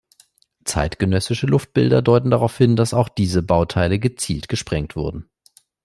Zeitgenössische Luftbilder deuten darauf hin, dass auch diese Bauteile gezielt gesprengt wurden.